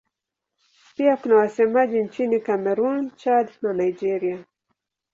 Pia kuna wasemaji nchini Kamerun, Chad na Nigeria.